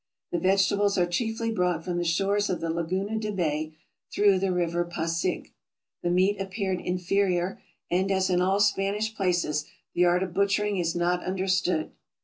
The vegetables are chiefly brought from the shores of the Laguna de Bay, through the river Pasig. The meat appeared in ferior, and as in all Spanish places, the art of butchering is not understood.